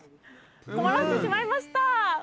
困らせてしまいました。